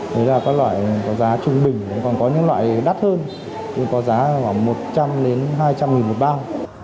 thế là các loại có giá trung bình còn có những loại đắt hơn có giá khoảng một trăm linh hai trăm linh một bao